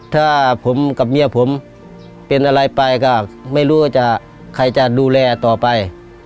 ถ้าผมกับเมียผมเป็นอะไรไปก็ไม่รู้ว่าจะใครจะดูแลต่อไป